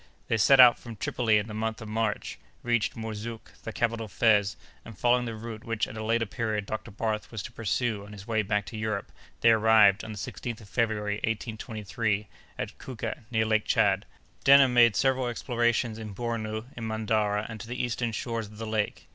They set out from Tripoli in the month of March, reached Mourzouk, the capital of Fez, and, following the route which at a later period Dr. Barth was to pursue on his way back to Europe, they arrived, on the 16th of February, 1823, at Kouka, near Lake Tchad. Denham made several explorations in Bornou, in Mandara, and to the eastern shores of the lake.